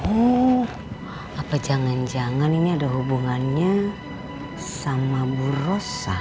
oh apa jangan jangan ini ada hubungannya sama bu rosa